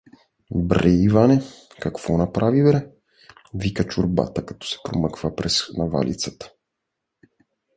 — Бре, Иване, какво направи бре! — вика Чубрата, като се промъква през навалицата.